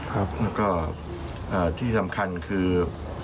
แล้วก็ที่สำคัญคือ